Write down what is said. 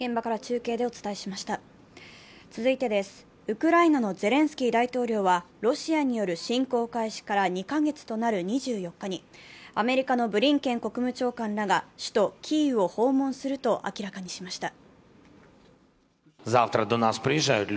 ウクライナのゼレンスキー大統領はロシアによる侵攻開始から２カ月となる２４日にアメリカのブリンケン国務長官らが首都キーウを訪問すると明らかにしました。